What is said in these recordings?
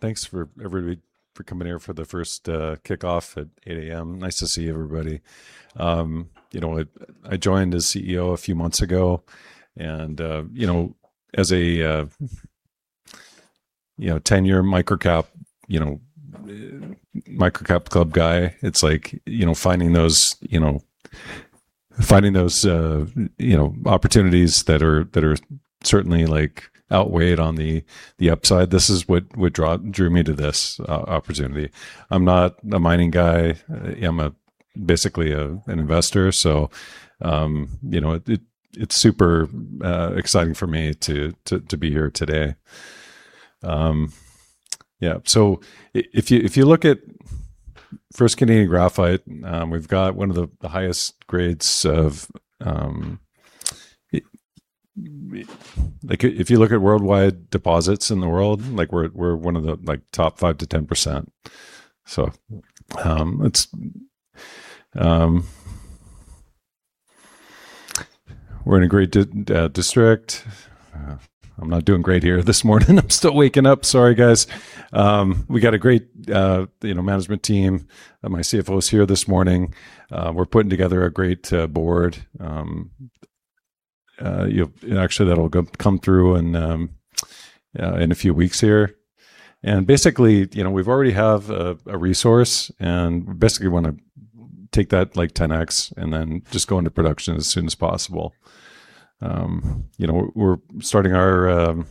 Thanks everybody for coming here for the first kickoff at 8:00 A.M. Nice to see everybody. I joined as CEO a few months ago. As a 10-year microcap club guy, it's like finding those opportunities that are certainly outweighed on the upside. This is what drew me to this opportunity. I'm not a mining guy. I'm basically an investor. It's super exciting for me to be here today. If you look at First Canadian Graphite, we've got one of the highest grades of graphite. If you look at worldwide deposits in the world, we're one of the top 5% to 10%. We're in a great district. I'm not doing great here this morning. I'm still waking up. Sorry, guys. We got a great management team. My CFO is here this morning. We're putting together a great board. Actually, that'll come through in a few weeks here. Basically, we already have a resource, and basically want to take that 10x and then just go into production as soon as possible. We're starting our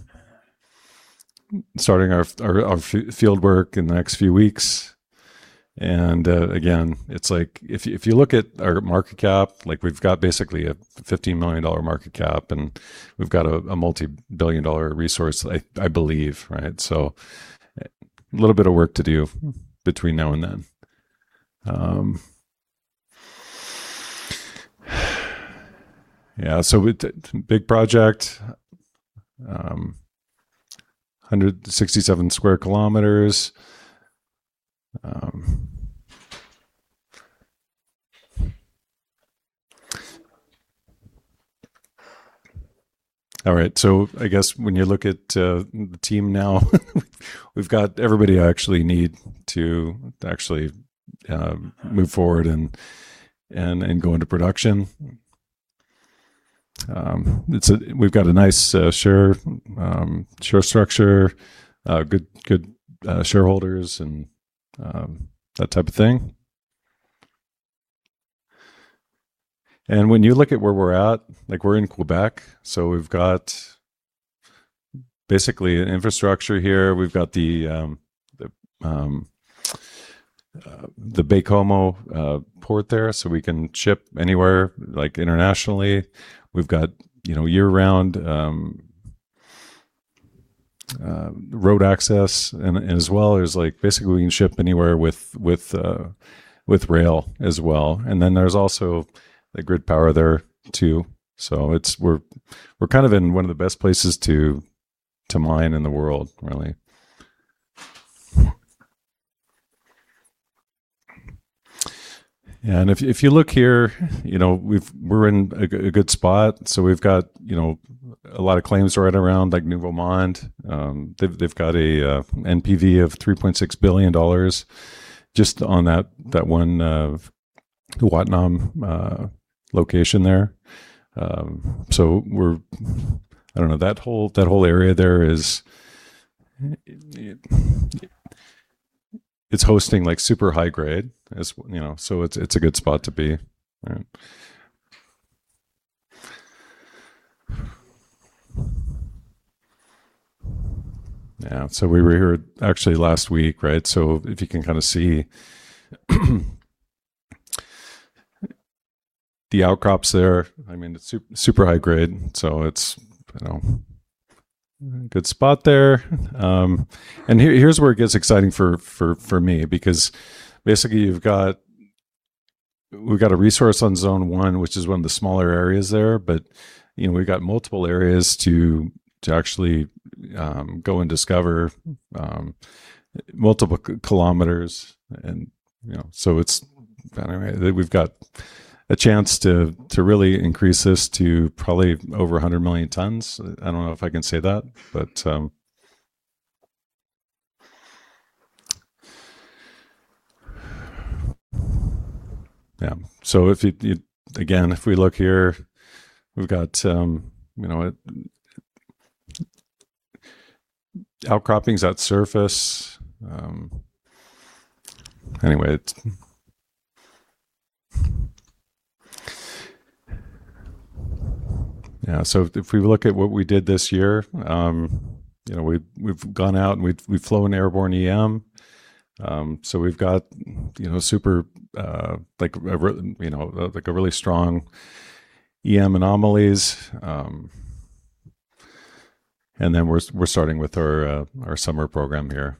field work in the next few weeks. Again, if you look at our market cap, we've got basically a 15 million dollar market cap, and we've got a multi-billion CAD resource, I believe. A little bit of work to do between now and then. Big project, 167 square kilometers. All right. I guess when you look at the team now, we've got everybody we actually need to actually move forward and go into production. We've got a nice share structure, good shareholders and that type of thing. When you look at where we're at, we're in Quebec. We've got basically an infrastructure here. We've got the Baie-Comeau port there, so we can ship anywhere internationally. We've got year-round road access, and as well, basically, we can ship anywhere with rail as well. Then there's also the grid power there too. We're kind of in one of the best places to mine in the world, really. If you look here, we're in a good spot. We've got a lot of claims right around Nouveau Monde Graphite. They've got an NPV of 3.6 billion dollars just on that one Matawinie location there. We're. I don't know. That whole area there is hosting super high grade. It's a good spot to be. We were here actually last week. If you can see the outcrops there. It's super high grade, so it's a good spot there. Here's where it gets exciting for me, because basically we've got a resource on zone one, which is one of the smaller areas there. We've got multiple areas to actually go and discover multiple kilometers. We've got a chance to really increase this to probably over 100 million tons. I don't know if I can say that. Again, if we look here, we've got outcroppings at surface. Anyway. If we look at what we did this year, we've gone out and we've flown airborne EM. We've got a really strong EM anomalies. Then we're starting with our summer program here.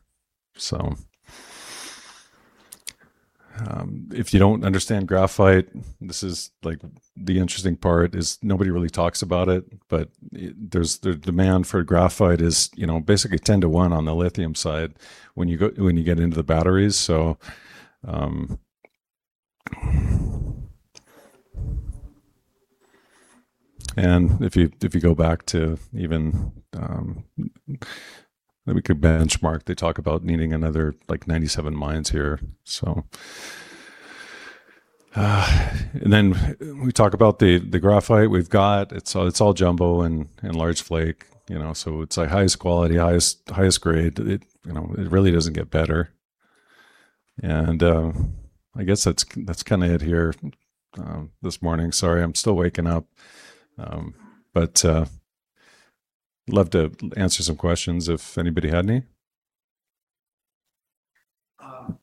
If you don't understand graphite, this is the interesting part, is nobody really talks about it. The demand for graphite is basically 10 to one on the lithium side when you get into the batteries. If you go back to even. That we could benchmark, they talk about needing another 97 mines here. We talk about the graphite we've got. It's all jumbo and large flake. It's highest quality, highest grade. It really doesn't get better. I guess that's it here this morning. Sorry, I'm still waking up. Love to answer some questions if anybody had any.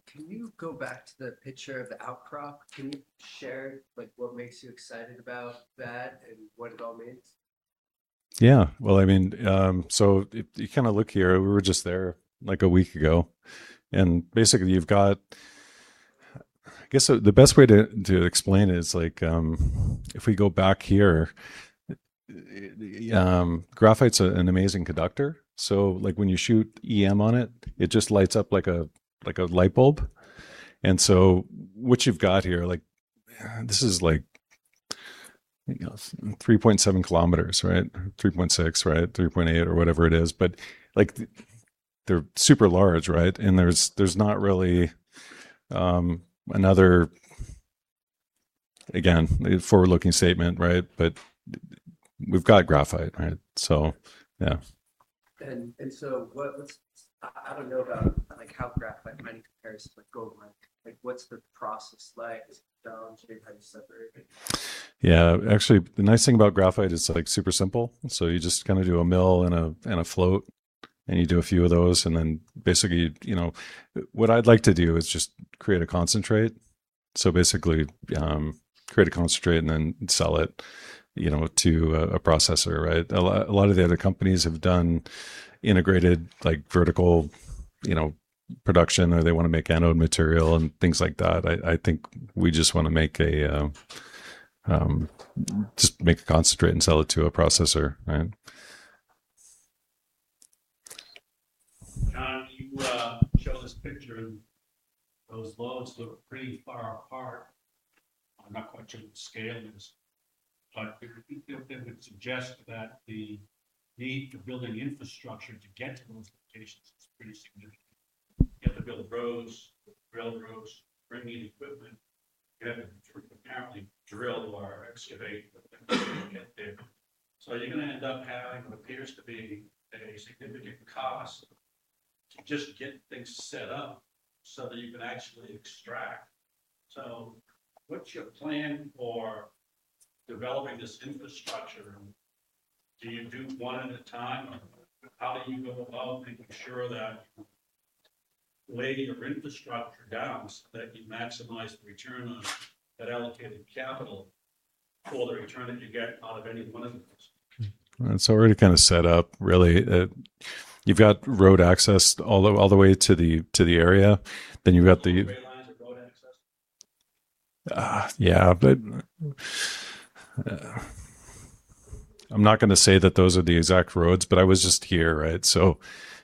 Can you go back to the picture of the outcrop? Can you share what makes you excited about that and what it all means? If you look here, we were just there a week ago, and basically I guess the best way to explain it is if we go back here. Graphite's an amazing conductor. When you shoot EM on it just lights up like a light bulb. What you've got here, this is 3.7 km, right? 3.6, right? 3.8 or whatever it is. They're super large, right? There's not really. Again, a forward-looking statement, right? We've got graphite, right? I don't know about how graphite mining compares to gold mining. What's the process like? Is it challenging? How do you separate it? Yeah. Actually, the nice thing about graphite, it's super simple. You just do a mill and a float, and you do a few of those. What I'd like to do is just create a concentrate. Basically, create a concentrate and then sell it to a processor, right? A lot of the other companies have done integrated, vertical production or they want to make anode material and things like that. I think we just want to make a concentrate and sell it to a processor, right? John, you showed this picture, and those loads look pretty far apart. I'm not quite sure what the scale is, but would you feel that would suggest that the need to build an infrastructure to get to those locations is pretty significant? You have to build roads, railroads, bring in equipment. You have to apparently drill or excavate to get there. You're going to end up having what appears to be a significant cost to just get things set up so that you can actually extract. What's your plan for developing this infrastructure? Do you do one at a time, or how do you go about making sure that laying your infrastructure down so that you maximize the return on that allocated capital for the return that you get out of any one of those? It's already set up, really. You've got road access all the way to the area. Rail lines or road access? Yeah, I'm not going to say that those are the exact roads, I was just here, right?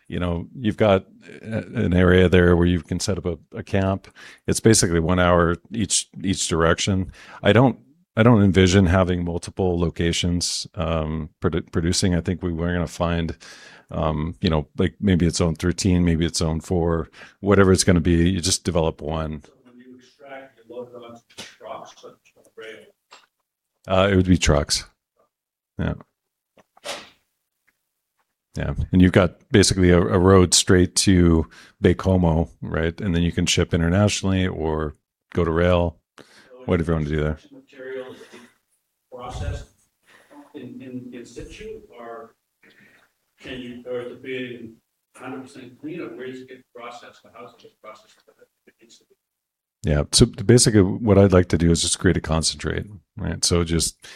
You've got an area there where you can set up a camp. It's basically one hour each direction. I don't envision having multiple locations producing. I think we're going to find maybe it's zone 13, maybe it's zone four, whatever it's going to be. You just develop one. When you extract, you load it onto trucks or rail? It would be trucks. Trucks. Yeah. You've got basically a road straight to Baie-Comeau, right? You can ship internationally or go to rail, whatever you want to do there. Is the extraction material is it processed in situ or there has to be 100% cleanup? Where does it get processed, or how is it get processed if it needs to be? Yeah. Basically what I'd like to do is just create a concentrate, right? Just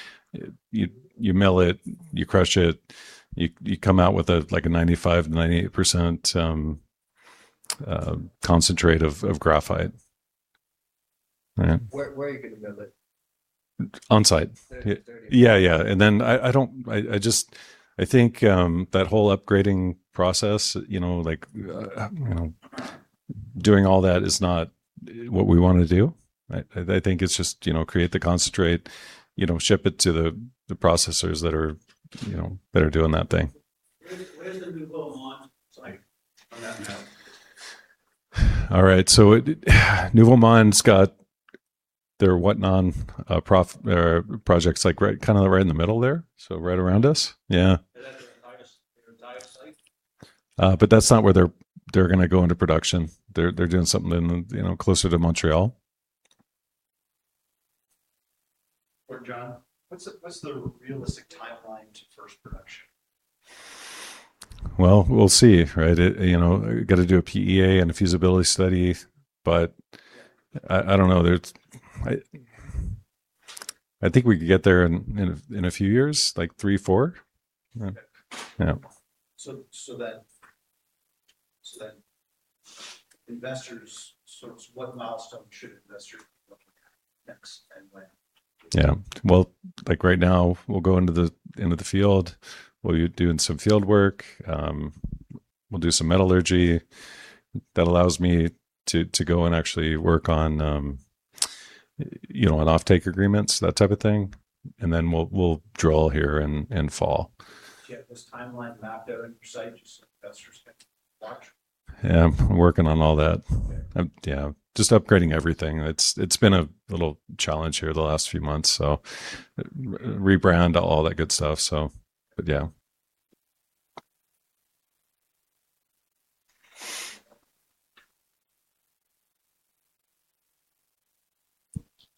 you mill it, you crush it, you come out with a 95%, 98% concentrate of graphite, right? Where are you going to mill it? On-site. There? Yeah. I think that whole upgrading process, doing all that is not what we want to do, right? I think it's just create the concentrate, ship it to the processors that are doing that thing. Where is the Nouveau Monde Graphite site on that map? All right. Nouveau Monde Graphite's got their Matawinie projects right in the middle there. Right around us. Yeah. Is that their entire site? That's not where they're going to go into production. They're doing something closer to Montreal. John, what's the realistic timeline to first production? We'll see, right? Got to do a PEA and a feasibility study, but I don't know. I think we could get there in a few years, like three, four. Okay. Yeah. What milestone should investors be looking at next and when? Right now, we'll go into the field. We'll be doing some field work. We'll do some metallurgy that allows me to go and actually work on offtake agreements, that type of thing. Then we'll drill here in fall. Do you have this timeline mapped out on your site just so investors can watch? Yeah, I'm working on all that. Okay. Yeah. Just upgrading everything. It's been a little challenge here the last few months, so rebrand, all that good stuff. Yeah.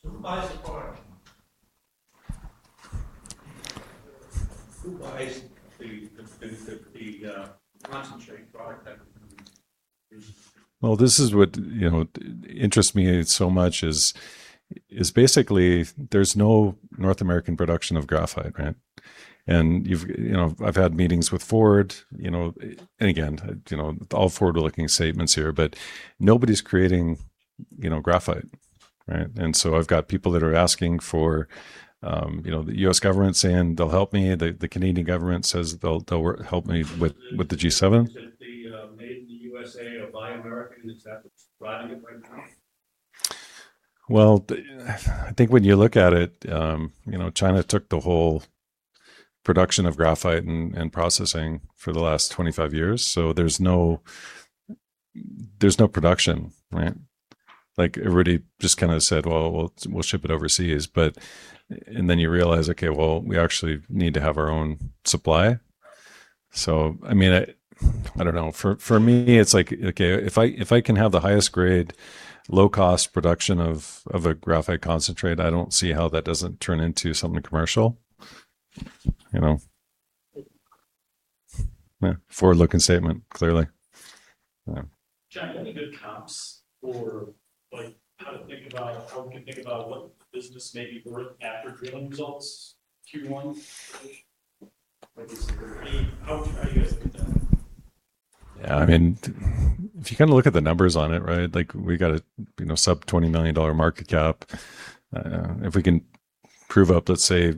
Who buys the product? Who buys the concentrate product that you produce? Well, this is what interests me so much is basically there's no North American production of graphite, right? I've had meetings with Ford. Again, all forward-looking statements here. Nobody's creating graphite, right? I've got people that are asking for the U.S. government saying they'll help me. The Canadian government says they'll help me with the G7. Is it the Made in the USA or Buy American? Is that what's driving it right now? Well, I think when you look at it, China took the whole production of graphite and processing for the last 25 years. There's no production, right? Everybody just said, "Well, we'll ship it overseas," you realize, okay, well, we actually need to have our own supply. I don't know. For me, it's like, okay, if I can have the highest grade, low-cost production of a graphite concentrate, I don't see how that doesn't turn into something commercial. Forward-looking statement, clearly. Yeah. John, any good comps for how we can think about what the business may be worth after drilling results Q1? How do you guys look at that? Yeah. If you look at the numbers on it, right, we got a sub-CAD 20 million market cap. If we can prove up, let's say,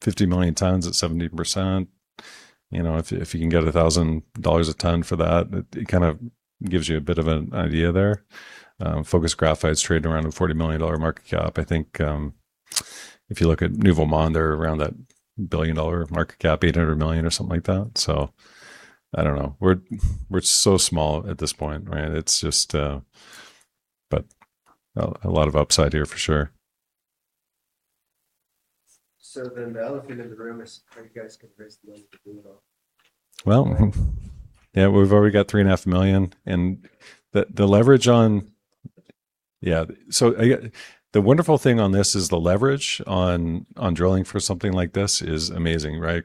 50 million tons at 17%, if you can get 1,000 dollars a ton for that, it gives you a bit of an idea there. Focus Graphite's trading around a 40 million dollar market cap. I think if you look at Nouveau Monde Graphite, they're around that billion-CAD market cap, 800 million or something like that. I don't know. We're so small at this point, right? A lot of upside here for sure. The elephant in the room is how you guys can raise the money to do it all. Yeah, we've already got CAD three and a half million. The wonderful thing on this is the leverage on drilling for something like this is amazing, right?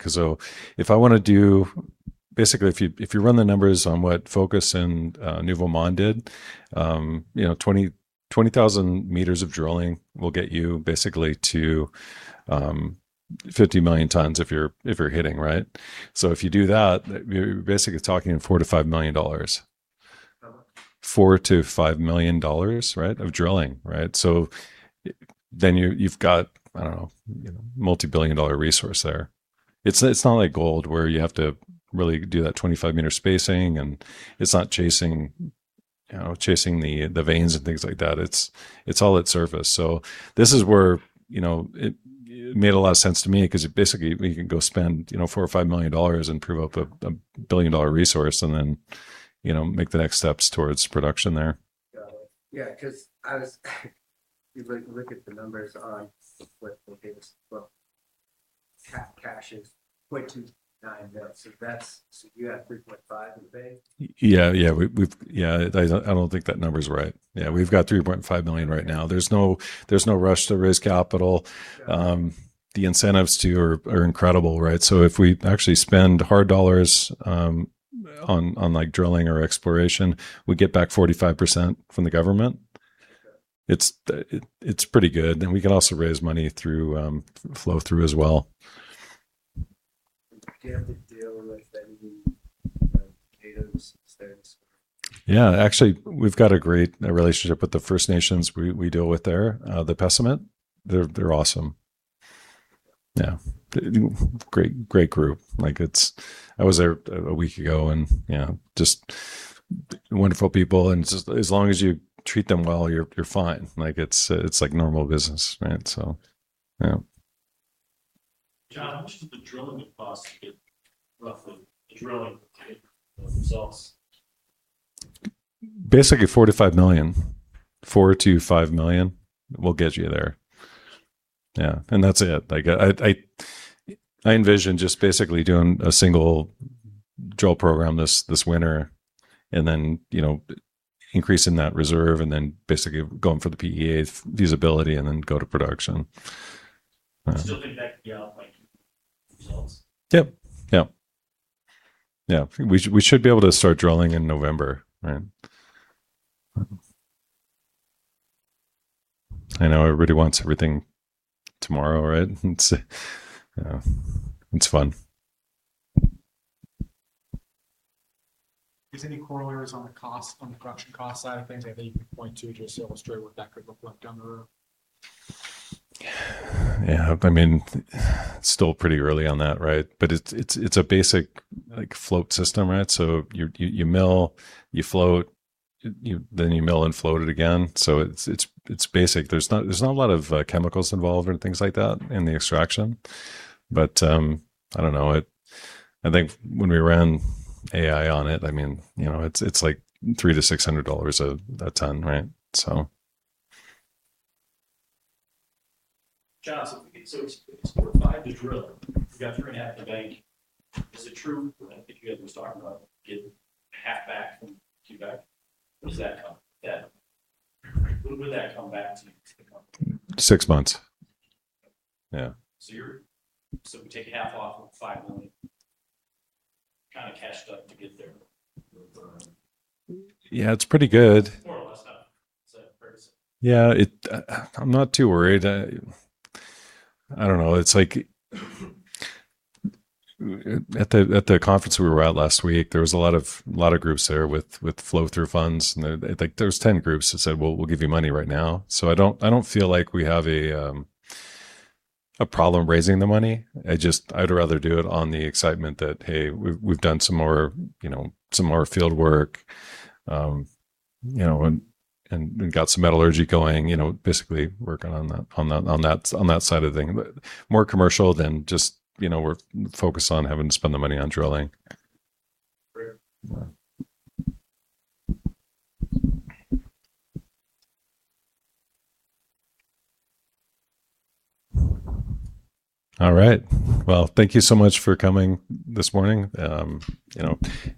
If you run the numbers on what Focus and Nouveau Monde Graphite did, 20,000 meters of drilling will get you basically to 50 million tons if you're hitting, right? If you do that, you're basically talking 4 million-5 million dollars. How much? 4 million-5 million dollars, right, of drilling, right? You've got, I don't know, a multibillion-dollar resource there. It's not like gold where you have to really do that 25-meter spacing, and it's not chasing the veins and things like that. It's all at surface. This is where it made a lot of sense to me because basically we can go spend 4 million or 5 million dollars and prove up a billion-dollar resource and then make the next steps towards production there. Got it. Yeah, because I was looking at the numbers on what the latest, well, cash is 0.29 million. You have 3.5 million in the bank? Yeah. I don't think that number's right. Yeah, we've got 3.5 million right now. There's no rush to raise capital. Yeah. The incentives too are incredible, right? If we actually spend hard dollars on drilling or exploration, we get back 45% from the government. Okay. We can also raise money through flow-through as well. Do you have to deal with any natives' stance? Yeah. Actually, we've got a great relationship with the First Nations we deal with there, the Pessamit. They're awesome. Yeah. Great group. I was there a week ago. Yeah, just wonderful people, and as long as you treat them well, you're fine. It's like normal business, right? Yeah. John, how much does the drilling cost you roughly? The drilling type results. Basically, 4 million to 5 million will get you there. Yeah, that's it. I envision just basically doing a single drill program this winter and then increasing that reserve and then basically going for the PEA feasibility and then go to production. You still think that could be out by results? Yep. Yeah. We should be able to start drilling in November, right? I know everybody wants everything tomorrow, right? It's fun. Is there any corollaries on the production cost side of things that you can point to just to illustrate what that could look like down the road? Yeah. It's still pretty early on that, right? It's a basic float system, right? You mill, you float, then you mill and float it again. It's basic. There's not a lot of chemicals involved or things like that in the extraction. I don't know. I think when we ran AI on it like 300-600 dollars a ton, right? John, it's 4.5 to drill. You've got 3 and a half in the bank. Is it true what I think you guys were talking about, getting half back from Quebec? Where does that come? When would that come back to the company? Six months. Yeah. We take a half off of 5 million, kind of cashed up to get there. Yeah, it's pretty good. More or less how it compares. I'm not too worried. I don't know. At the conference we were at last week, there was a lot of groups there with flow-through funds, and there's 10 groups that said, "Well, we'll give you money right now." I don't feel like we have a problem raising the money. I'd rather do it on the excitement that, hey, we've done some more field work, and we got some metallurgy going. Basically working on that side of things. More commercial than just we're focused on having to spend the money on drilling. Fair. Yeah. All right. Well, thank you so much for coming this morning.